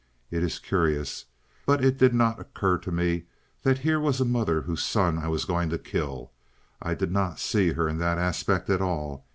It is curious, but it did not occur to me that here was a mother whose son I was going to kill. I did not see her in that aspect at all.